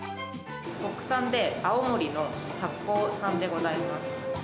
国産で青森の田子産でございます。